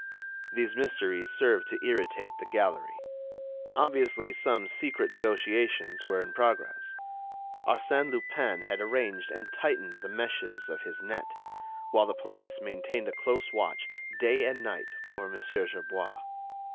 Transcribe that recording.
These mysteries served to irritate the gallery. Obviously, some secret negotiations were in progress. Arsène Lupin had arranged and tightened the meshes of his net, while the police maintained a close watch, day and night, over Mon. Gerbois.